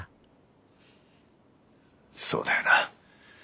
そうだよな。